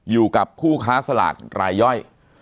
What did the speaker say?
อยู่กับผู้ค้าสลากรายย่อย